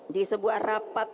di sebuah rapat